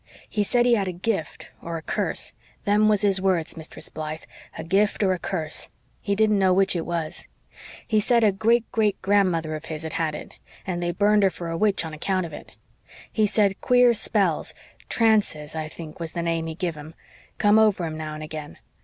He said he had a gift or a curse. Them was his words, Mistress Blythe a gift or a curse. He didn't know which it was. He said a great great grandmother of his had had it, and they burned her for a witch on account of it. He said queer spells trances, I think was the name he give 'em come over him now and again.